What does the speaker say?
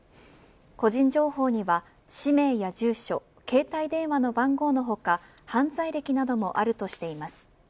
個人情報には氏名や住所携帯電話の番号の他犯罪歴などもあるとしています。